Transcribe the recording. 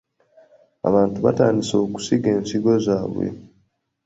Abantu batandise okusiga ensigo zaabwe .